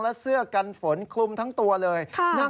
และเสื้อกันฝนคลุมทั้งตัวเลย